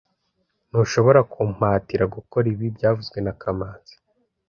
S Ntushobora kumpatira gukora ibi byavuzwe na kamanzi